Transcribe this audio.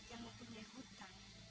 dengan yang memiliki hutang